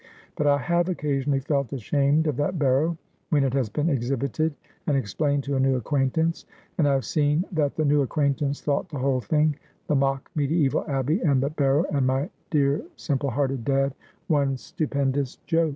But I have occasionally felt ashamed of that barrow, when it has been exhibited and explained to a new acquaintance, and I have seen that the new acquaintance thought the whole thing — the mock mediasval abbey, and the barrow, and my dear simple hearted dad — one stupendous joke.'